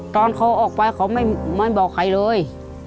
ตอนเขาออกไปเขาไม่บอกใครเลย